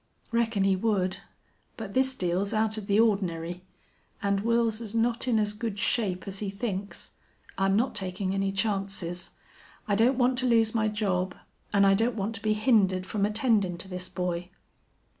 "Reckon he would. But this deal's out of the ordinary. An' Wils's not in as good shape as he thinks. I'm not takin' any chances. I don't want to lose my job, an' I don't want to be hindered from attendin' to this boy."